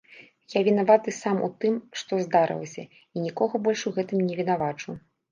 Я вінаваты сам у тым, што здарылася, і нікога больш у гэтым не вінавачу.